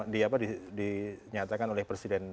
dinyatakan oleh presiden